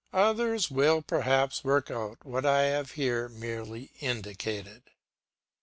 Others will perhaps work out what I have here merely indicated.